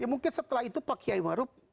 mungkin setelah itu pak kiai maruf